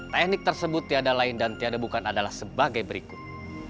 teknik tersebut tiada lain dan tiada bukan adalah sebagai berikut